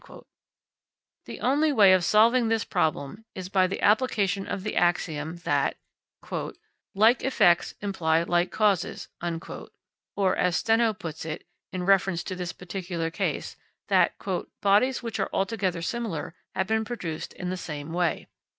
The only way of solving this problem is by the application of the axiom that "like effects imply like causes," or as Steno puts it, in reference to this particular case, that "bodies which are altogether similar have been produced in the same way."